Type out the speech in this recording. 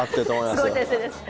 すごい先生です。